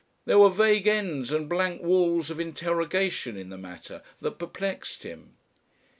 There were vague ends and blank walls of interrogation in the matter, that perplexed him.